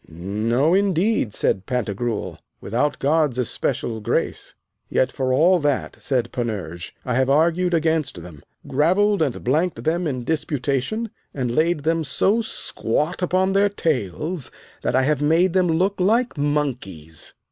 No, indeed, said Pantagruel, without God's especial grace. Yet for all that, said Panurge, I have argued against them, gravelled and blanked them in disputation, and laid them so squat upon their tails that I have made them look like monkeys.